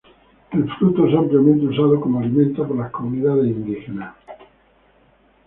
El fruto es ampliamente usado como alimento por las comunidades indígenas.